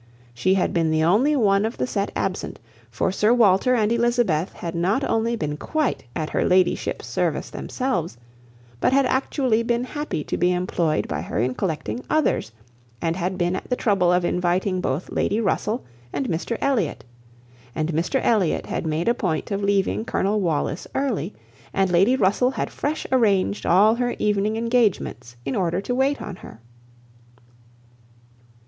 She had been the only one of the set absent, for Sir Walter and Elizabeth had not only been quite at her ladyship's service themselves, but had actually been happy to be employed by her in collecting others, and had been at the trouble of inviting both Lady Russell and Mr Elliot; and Mr Elliot had made a point of leaving Colonel Wallis early, and Lady Russell had fresh arranged all her evening engagements in order to wait on her.